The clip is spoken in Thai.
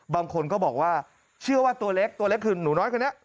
บางคนก็บอกว่าเชื่อว่าตัวเล็กตัวเล็กคือหนูน้อยคนนี้